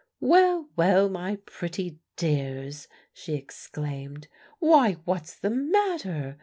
"Well, well, my pretty dears!" she exclaimed. "Why, what's the matter?